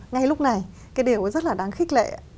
ngay lúc này cái điều ấy rất là đáng khích lệ